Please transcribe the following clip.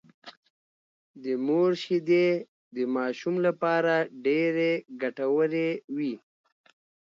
د مور شېدې د ماشوم لپاره ډېرې ګټورې وي